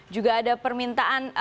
juga ada permintaan